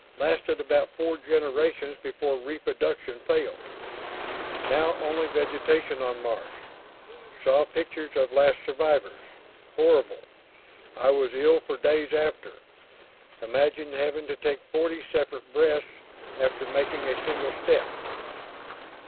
lasted about four generations before reproduction failed ... now only vegetation on Mars ... saw pictures of last survivors ... horrible ... I was ill for days after ... imagine having to take 40 separate breaths after making a single step!